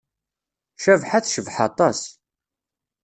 Cabḥa tecbeḥ aṭas.